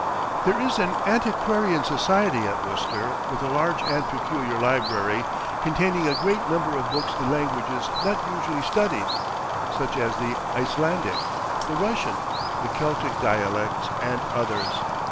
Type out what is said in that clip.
There is an Antiquarian Society at Worcester, with a large and peculiar library, containing a great number of books in languages not usually studied, such as the Icelandic, the Russian, the Celtic dialects, and others.